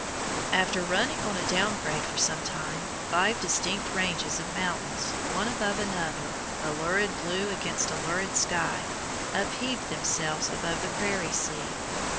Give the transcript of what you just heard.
After running on a down grade for some time, five distinct ranges of mountains, one above another, a lurid blue against a lurid sky, upheaved themselves above the prairie sea.